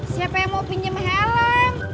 siapa yang mau pinjam helm